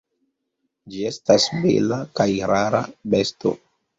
Ĝi estas bela kaj rara besto.